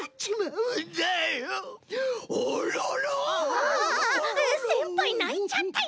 ああせんぱいないちゃったよ！